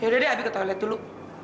yaudah deh abi ke toko lihat dulu